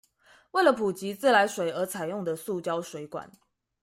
為了普及自來水而採用的塑膠水管